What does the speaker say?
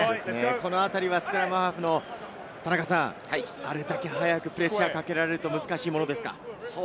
このあたりもスクラムハーフの田中さん、あれだけ早くプレッシャーをかけられると難しいものですか？